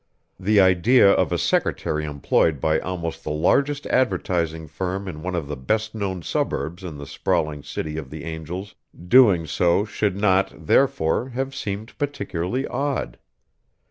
The idea of a secretary employed by almost the largest advertising firm in one of the best known suburbs in the sprawling City of the Angels doing so should not, therefore, have seemed particularly odd.